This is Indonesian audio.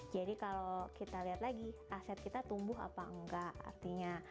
jadi kalau kita lihat lagi aset kita tumbuh apa enggak artinya